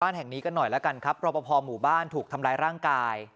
แห่งนี้กันหน่อยแล้วกันครับรอปภหมู่บ้านถูกทำร้ายร่างกาย